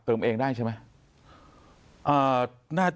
เองได้ใช่ไหม